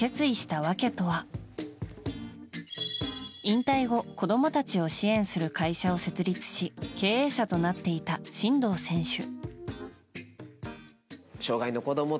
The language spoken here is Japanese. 引退後、子供たちを支援する会社を設立し経営者となっていた真道選手。